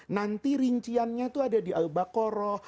nanti rinciannya itu ada di al baqarah